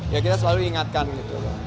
ya kita selalu ingatkan gitu loh